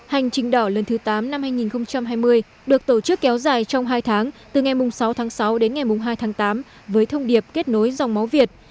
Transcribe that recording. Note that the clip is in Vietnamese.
hành trình đỏ lần thứ tám năm hai nghìn hai mươi được tổ chức kéo dài trong hai tháng từ ngày sáu tháng sáu đến ngày hai tháng tám với thông điệp kết nối dòng máu việt